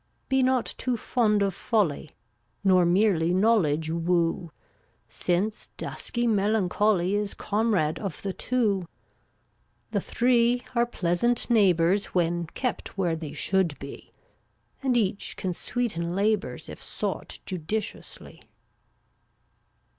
399 Be not too fond of Folly, Nor merely Knowledge woo, Since dusky Melancholy Is comrade of the two. The three are pleasant neighbors When kept where they should be, And each can sweeten labors If sought judiciously.